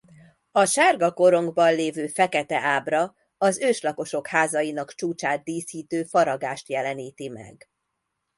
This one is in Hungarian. A sárga korongban lévő fekete ábra az őslakosok házainak csúcsát díszítő faragást jeleníti meg.